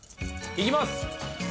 いきます！